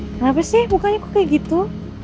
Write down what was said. kenapa sih mukanya kok kayak gitu